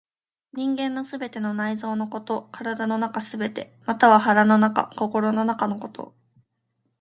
人間の全ての内臓のこと、体の中すべて、または腹の中、心の中のこと。